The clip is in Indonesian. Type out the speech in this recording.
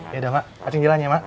ya udah mak ayo jalan ya mak